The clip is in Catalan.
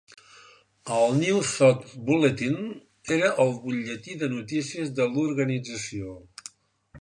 El "New Thought Bulletin" era el butlletí de notícies de l'organització.